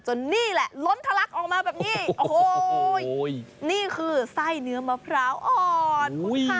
นี่แหละล้นทะลักออกมาแบบนี้โอ้โหนี่คือไส้เนื้อมะพร้าวอ่อนค่ะ